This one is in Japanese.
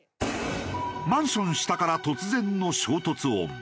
マンション下から突然の衝突音。